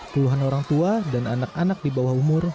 puluhan orang tua dan anak anak di bawah umur